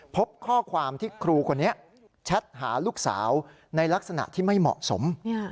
พบข้อความที่ครูคนนี้แชทหาลูกสาวในลักษณะที่ไม่เหมาะสม